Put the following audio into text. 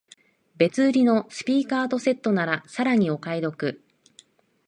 別売りのスピーカーとセットならさらにお買い得